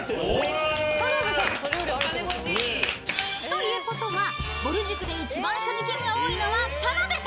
［ということはぼる塾で一番所持金が多いのは田辺さん］